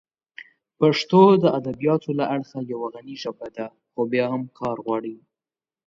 پښتو د ادبیاتو له اړخه یوه غني ژبه ده، خو بیا هم کار غواړي.